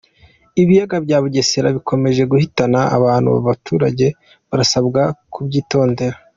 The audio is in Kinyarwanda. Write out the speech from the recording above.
Ibiyaga bya Bugesera bikomeje guhitana abantu abaturage barasabwa kubyitondera